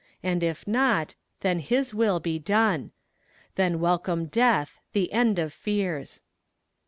And if not, then His will be done: Then welcome death, the end of fears.